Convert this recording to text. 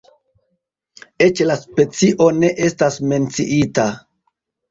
Eĉ la specio ne estas menciita.